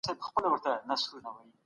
زه پر وخت رسېږم.